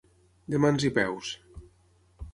De mans i peus.